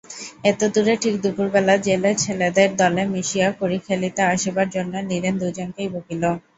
এতদূরে ঠিক দুপুরবেলা জেলের ছেলেদের দলে মিশিয়া কড়ি খেলিতে আসিবার জন্য নীরেন দুজনকেই বকিল।